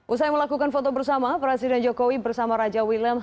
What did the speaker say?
usai melakukan foto bersama presiden jokowi bersama raja willem